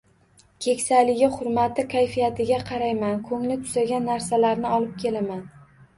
Keksaligi hurmati kayfiyatiga qarayman, ko`ngli tusagan narsalarni olib kelaman